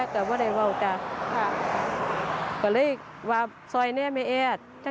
ก็อยากเอาอยู่